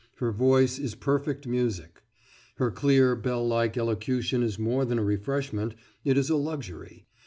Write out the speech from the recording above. Her voice is perfect music. Her clear, bell like elocution is more than a refreshment, it is a luxury.